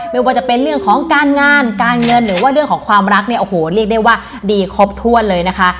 ไม่ว่าจะเป็นเรื่องของการงานการเงินหรือว่าเรื่องของความรักเนี่ยโอ้โหเรียกได้ว่าดีครบถ้วนเลยนะคะ